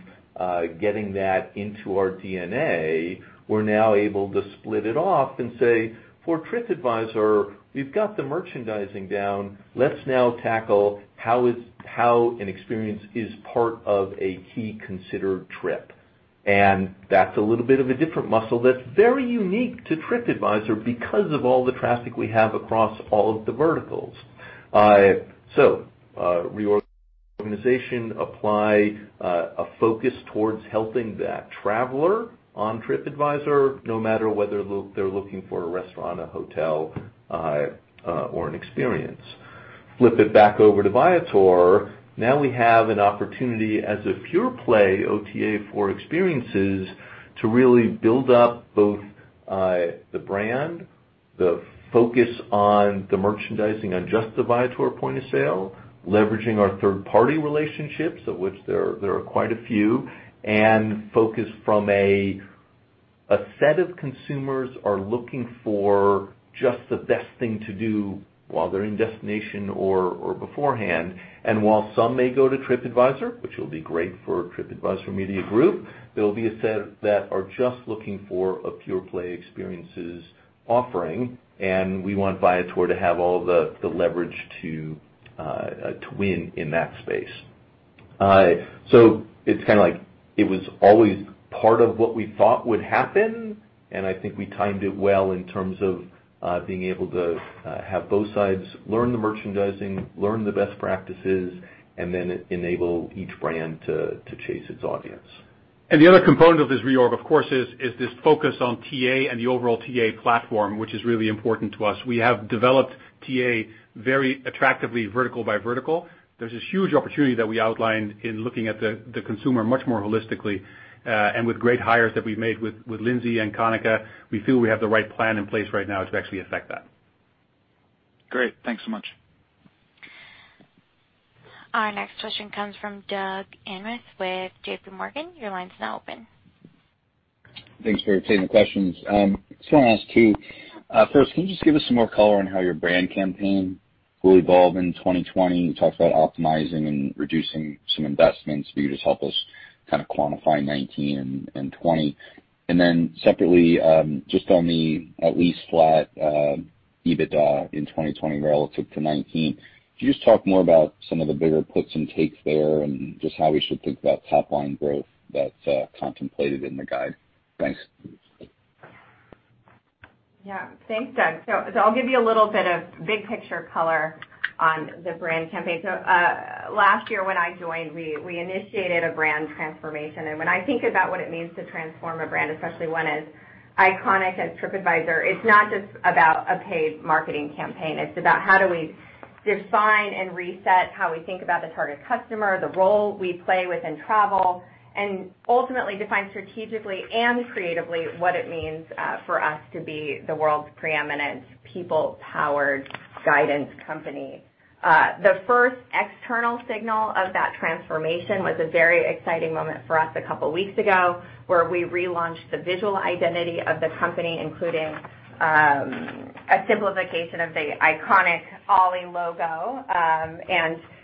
getting that into our DNA, we're now able to split it off and say, for TripAdvisor, we've got the merchandising down. Let's now tackle how an experience is part of a key considered trip. That's a little bit of a different muscle that's very unique to TripAdvisor because of all the traffic we have across all of the verticals. Reorganization apply a focus towards helping that traveler on TripAdvisor, no matter whether they're looking for a restaurant, a hotel, or an experience. Flip it back over to Viator, now we have an opportunity as a pure play OTA for experiences to really build up both the brand, the focus on the merchandising on just the Viator point of sale, leveraging our third-party relationships, of which there are quite a few, and focus from a set of consumers are looking for just the best thing to do while they're in destination or beforehand. While some may go to TripAdvisor, which will be great for TripAdvisor Media Group, there'll be a set that are just looking for a pure play experiences offering, and we want Viator to have all the leverage to win in that space. It's like it was always part of what we thought would happen, and I think we timed it well in terms of being able to have both sides learn the merchandising, learn the best practices, and then enable each brand to chase its audience. The other component of this reorg, of course, is this focus on TA and the overall TA platform, which is really important to us. We have developed TA very attractively vertical by vertical. There's this huge opportunity that we outlined in looking at the consumer much more holistically, and with great hires that we've made with Lindsay and Kanika, we feel we have the right plan in place right now to actually effect that. Great. Thanks so much. Our next question comes from Doug Anmuth with JPMorgan. Your line's now open. Thanks for taking the questions. Just want to ask two. First, can you just give us some more color on how your brand campaign will evolve in 2020? You talked about optimizing and reducing some investments. Can you just help us quantify 2019 and 2020? Separately, just on the at least flat EBITDA in 2020 relative to 2019, could you just talk more about some of the bigger puts and takes there and just how we should think about top-line growth that's contemplated in the guide? Thanks. Yeah. Thanks, Doug. I'll give you a little bit of big picture color on the brand campaign. Last year when I joined, we initiated a brand transformation. When I think about what it means to transform a brand, especially one as iconic as TripAdvisor, it's not just about a paid marketing campaign. It's about how do we define and reset how we think about the target customer, the role we play within travel, and ultimately define strategically and creatively what it means for us to be the world's preeminent people-powered guidance company. The first external signal of that transformation was a very exciting moment for us a couple of weeks ago, where we relaunched the visual identity of the company, including a simplification of the iconic Ollie logo.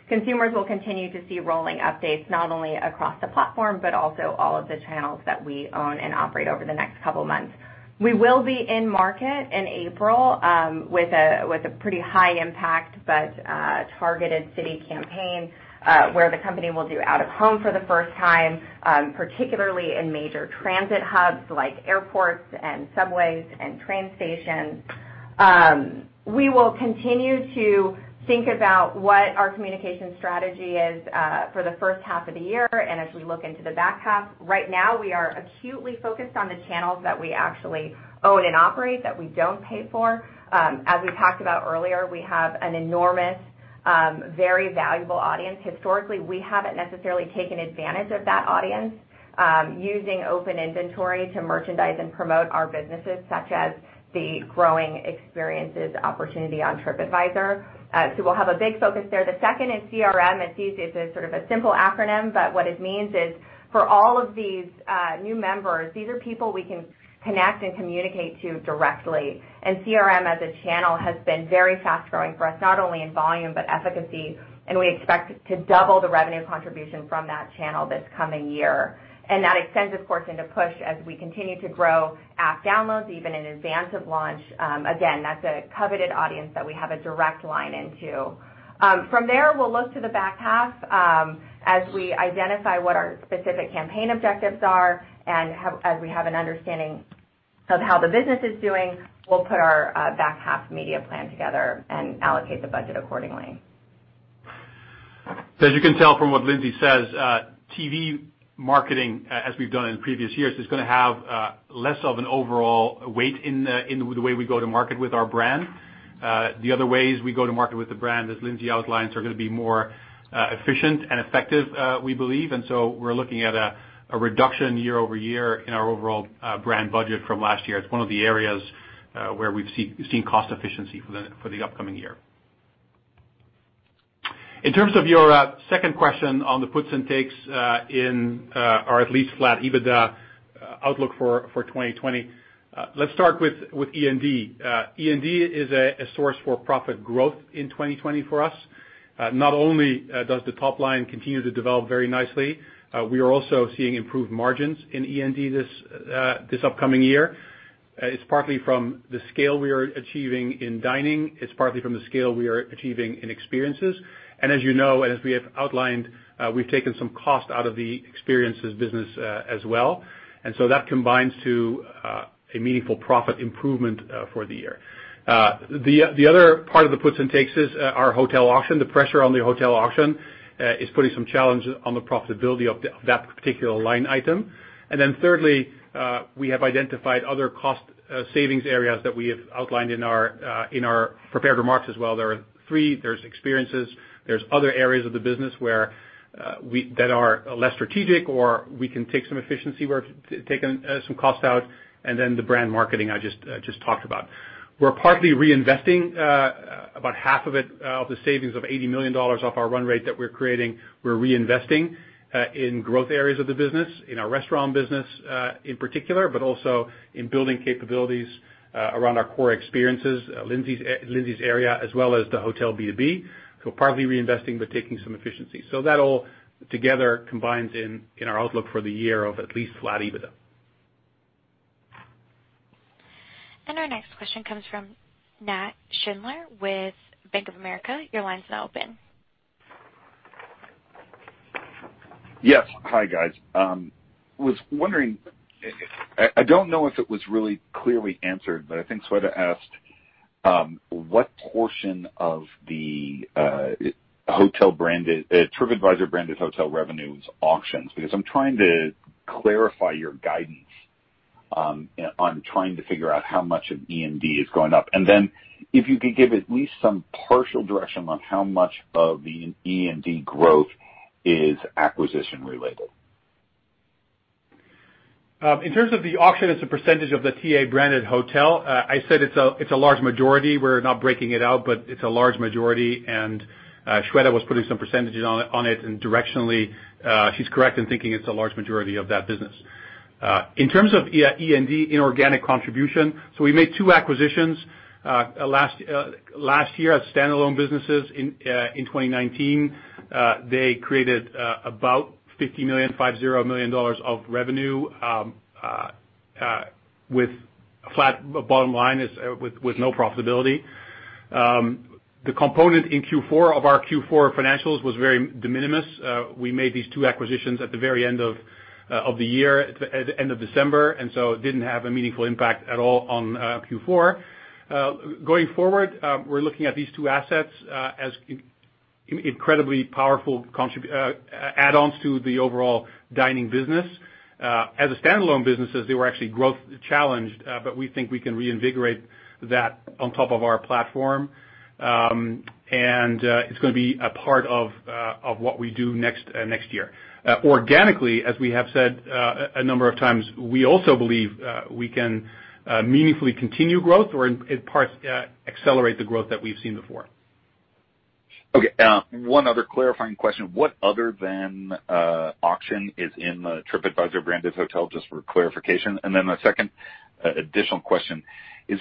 Consumers will continue to see rolling updates, not only across the platform, but also all of the channels that we own and operate over the next couple of months. We will be in market in April with a pretty high impact, but targeted city campaign, where the company will do out of home for the first time, particularly in major transit hubs like airports and subways and train stations. We will continue to think about what our communication strategy is for the first half of the year and as we look into the back half. Right now, we are acutely focused on the channels that we actually own and operate that we don't pay for. As we talked about earlier, we have an enormous, very valuable audience. Historically, we haven't necessarily taken advantage of that audience using open inventory to merchandise and promote our businesses, such as the growing experiences opportunity on TripAdvisor. We'll have a big focus there. The second is CRM. It's used as a sort of a simple acronym, but what it means is for all of these new members, these are people we can connect and communicate to directly. CRM as a channel has been very fast-growing for us, not only in volume, but efficacy, and we expect to double the revenue contribution from that channel this coming year. That extends, of course, into Push as we continue to grow app downloads, even in advance of launch. Again, that's a coveted audience that we have a direct line into. From there, we'll look to the back half as we identify what our specific campaign objectives are, and as we have an understanding of how the business is doing, we'll put our back half media plan together and allocate the budget accordingly. As you can tell from what Lindsay says, TV marketing, as we've done in previous years, is going to have less of an overall weight in the way we go to market with our brand. The other ways we go to market with the brand, as Lindsay outlines, are going to be more efficient and effective, we believe. We're looking at a reduction year-over-year in our overall brand budget from last year. It's one of the areas where we've seen cost efficiency for the upcoming year. In terms of your second question on the puts and takes in our at least flat EBITDA outlook for 2020, let's start with E&D. E&D is a source for profit growth in 2020 for us. Not only does the top line continue to develop very nicely, we are also seeing improved margins in E&D this upcoming year. It's partly from the scale we are achieving in dining. It's partly from the scale we are achieving in experiences. As you know, and as we have outlined, we've taken some cost out of the experiences business as well. That combines to a meaningful profit improvement for the year. The other part of the puts and takes is our hotel auction. The pressure on the hotel auction is putting some challenge on the profitability of that particular line item. Thirdly, we have identified other cost savings areas that we have outlined in our prepared remarks as well. There are three. There's experiences, there's other areas of the business that are less strategic or we can take some cost out, and then the brand marketing I just talked about. We're partly reinvesting about half of it, of the savings of $80 million off our run rate that we're creating. We're reinvesting in growth areas of the business, in our restaurant business in particular, but also in building capabilities around our core experiences, Lindsay's area, as well as the hotel B2B. Partly reinvesting, but taking some efficiency. That all together combines in our outlook for the year of at least flat EBITDA. Our next question comes from Nat Schindler with Bank of America. Your line's now open. Yes. Hi, guys. I was wondering, I don't know if it was really clearly answered, but I think Shweta asked what portion of the TripAdvisor branded hotel revenue is auctions, because I'm trying to clarify your guidance on trying to figure out how much of E&D is going up, and then if you could give at least some partial direction on how much of the E&D growth is acquisition related. In terms of the auction as a percentage of the TA branded hotel, I said it's a large majority. We're not breaking it out, but it's a large majority. Shweta was putting some % on it, and directionally, she's correct in thinking it's a large majority of that business. In terms of E&D inorganic contribution, we made two acquisitions last year as standalone businesses in 2019. They created about $50 million of revenue with flat bottom line, with no profitability. The component in Q4 of our Q4 financials was very de minimis. We made these two acquisitions at the very end of the year, at the end of December, it didn't have a meaningful impact at all on Q4. Going forward, we're looking at these two assets as incredibly powerful add-ons to the overall dining business. As standalone businesses, they were actually growth challenged, but we think we can reinvigorate that on top of our platform, and it's going to be a part of what we do next year. Organically, as we have said a number of times, we also believe we can meaningfully continue growth or in parts accelerate the growth that we've seen before. Okay. One other clarifying question. What other than auction is in the TripAdvisor branded hotel? Just for clarification. The second additional question is,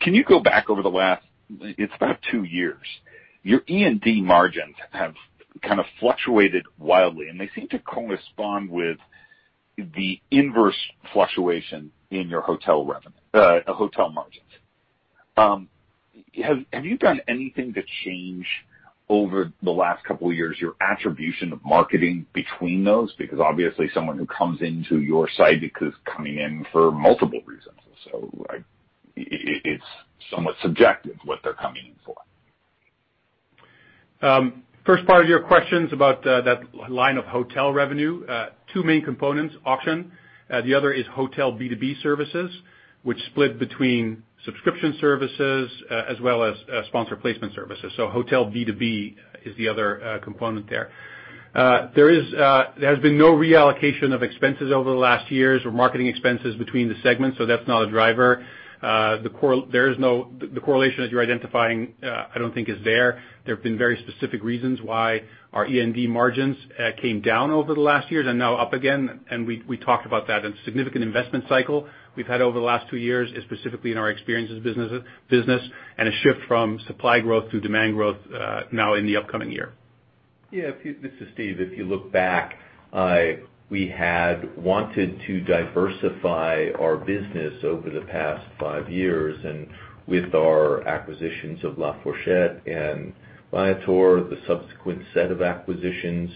can you go back over the last, it's about two years. Your E&D margins have kind of fluctuated wildly, and they seem to correspond with the inverse fluctuation in your hotel margins. Have you done anything to change over the last couple of years, your attribution of marketing between those? Obviously someone who comes into your site is coming in for multiple reasons, so it's somewhat subjective what they're coming in for. First part of your question's about that line of hotel revenue. Two main components, auction, the other is hotel B2B services, which split between subscription services as well as sponsor placement services. Hotel B2B is the other component there. There has been no reallocation of expenses over the last years or marketing expenses between the segments, so that's not a driver. The correlation, as you're identifying I don't think is there. There have been very specific reasons why our E&D margins came down over the last years and now up again, and we talked about that, and significant investment cycle we've had over the last two years is specifically in our experiences business and a shift from supply growth to demand growth now in the upcoming year. This is Steve. If you look back, we had wanted to diversify our business over the past five years, with our acquisitions of TheFork and Viator, the subsequent set of acquisitions,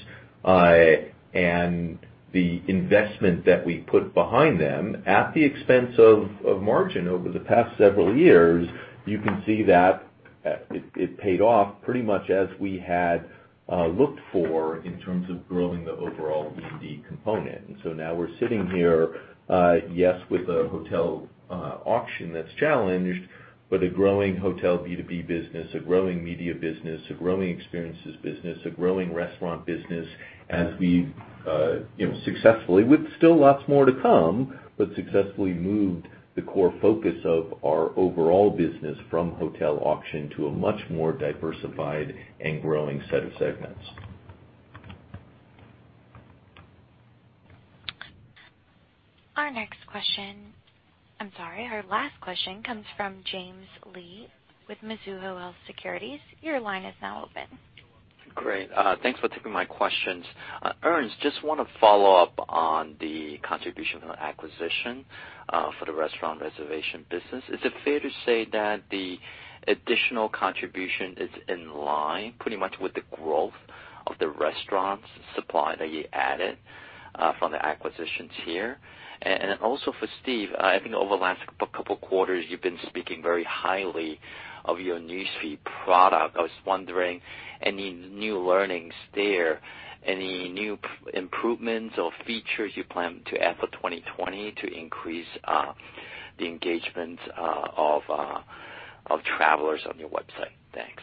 and the investment that we put behind them at the expense of margin over the past several years, you can see that it paid off pretty much as we had looked for in terms of growing the overall E&D component. Now we're sitting here, yes, with a hotel auction that's challenged, but a growing hotel B2B business, a growing media business, a growing experiences business, a growing restaurant business, as we've successfully, with still lots more to come, but successfully moved the core focus of our overall business from hotel auction to a much more diversified and growing set of segments. Our last question comes from James Lee with Mizuho Securities. Your line is now open. Great. Thanks for taking my questions. Ernst, just want to follow up on the contribution from the acquisition for the restaurant reservation business. Is it fair to say that the additional contribution is in line pretty much with the growth of the restaurant supply that you added from the acquisitions here? Then also for Steve, I think over the last couple of quarters, you've been speaking very highly of your news feed product. I was wondering, any new learnings there? Any new improvements or features you plan to add for 2020 to increase the engagement of travelers on your website? Thanks.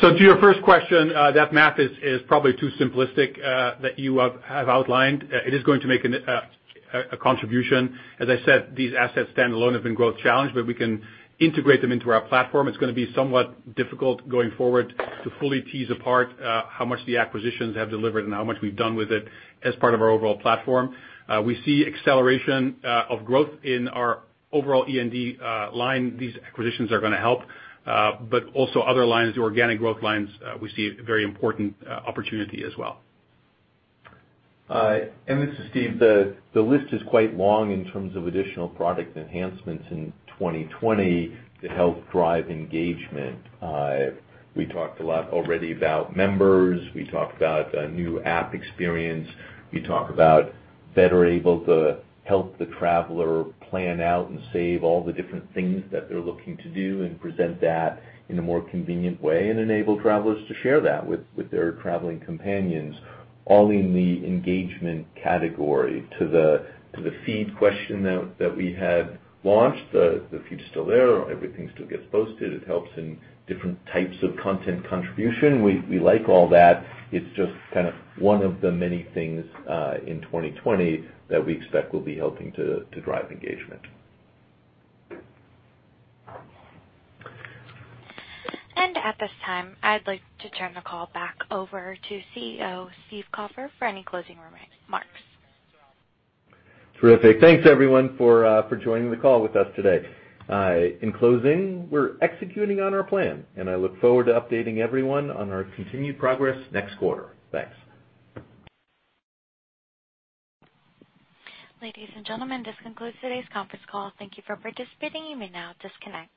To your first question, that math is probably too simplistic that you have outlined. It is going to make a contribution. As I said, these assets stand alone have been growth challenged, but we can integrate them into our platform. It's going to be somewhat difficult going forward to fully tease apart how much the acquisitions have delivered and how much we've done with it as part of our overall platform. We see acceleration of growth in our overall E&D line. These acquisitions are going to help, but also other lines, the organic growth lines, we see a very important opportunity as well. This is Steve. The list is quite long in terms of additional product enhancements in 2020 to help drive engagement. We talked a lot already about members. We talked about a new app experience. We talk about better able to help the traveler plan out and save all the different things that they're looking to do and present that in a more convenient way and enable travelers to share that with their traveling companions, all in the engagement category. To the feed question that we had launched, the feed's still there. Everything still gets posted. It helps in different types of content contribution. We like all that. It's just one of the many things in 2020 that we expect will be helping to drive engagement. At this time, I'd like to turn the call back over to CEO, Steve Kaufer, for any closing remarks. Terrific. Thanks, everyone, for joining the call with us today. In closing, we're executing on our plan, and I look forward to updating everyone on our continued progress next quarter. Thanks. Ladies and gentlemen, this concludes today's conference call. Thank you for participating. You may now disconnect.